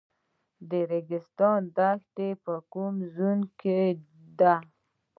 ریګستان دښته په کوم زون کې ده؟